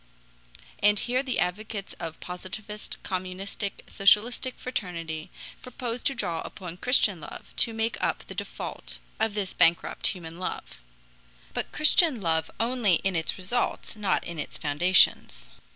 And here the advocates of Positivist, Communistic, Socialistic fraternity propose to draw upon Christian love to make up the default of this bankrupt human love; but Christian love only in its results, not in its foundations.